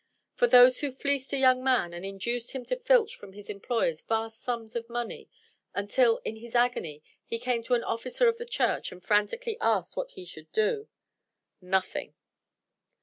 For those who "fleeced" a young man, and induced him to filch from his employers vast sums of money, until, in his agony, he came to an officer of the church, and frantically asked what he should do nothing!